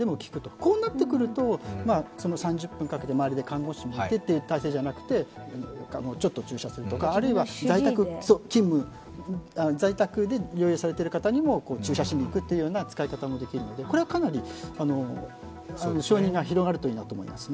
こうなってくると、３０分かけて周りで看護師が診てという体制ではなくてちょっと注射するとか、あるいは在宅で療養されている方にも注射しに行くという使い方もできるのでこれはかなり承認が広がるといいなと思いますね。